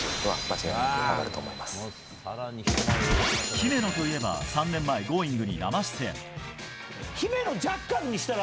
姫野といえば、３年前「Ｇｏｉｎｇ！」に生出演。